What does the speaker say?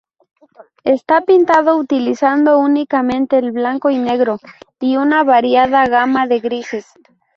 Está pintado utilizando únicamente el blanco y negro, y una variada gama de grises.